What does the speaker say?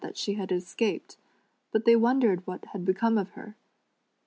77 that she had escaped, but the\' wondered what had become of her.